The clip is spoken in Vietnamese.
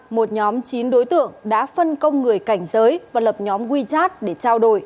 một nhóm chín đối tượng đã phân công người cảnh giới và lập nhóm wechat để trao đổi